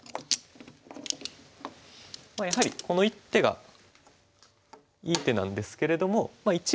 やはりこの一手がいい手なんですけれどもまあ